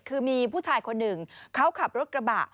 คือมีผู้ชายคนหนึ่งเขาขับรถกระบะ